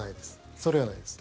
それはないです。